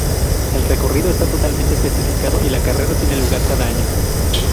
El recorrido está totalmente especificado, y la carrera tiene lugar cada año.